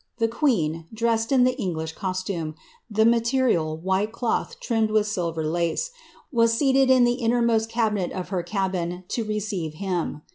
The dressed in the English costume, the material white cloth trimmed ilver lace, was seated in the innermost cabinet of her cabin to him.'